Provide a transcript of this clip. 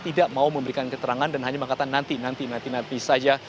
tidak mau memberikan keterangan dan hanya mengatakan nanti nanti nanti saja